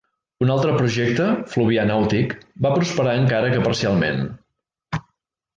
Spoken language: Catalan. Un altre projecte, Fluvià Nàutic, va prosperar encara que parcialment.